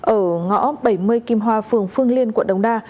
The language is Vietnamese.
ở ngõ bảy mươi kim hoa phường phương liên quận đống đa